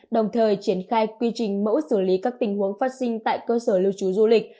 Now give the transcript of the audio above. đồng thời triển khai quy trình mẫu xử lý các tình huống phát sinh tại cơ sở lưu trú du lịch